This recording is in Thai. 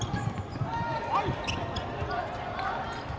สวัสดีครับทุกคน